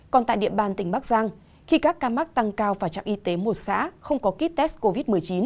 còn tại địa bàn tỉnh bắc giang khi các ca mắc tăng cao vào trạng y tế một xã không có ký test covid một mươi chín